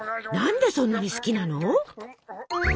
何でそんなに好きなの？